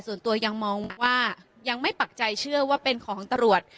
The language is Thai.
ส่วนตัวยังมองว่ายังไม่ปักใจเชื่อว่าเป็นของตำรวจ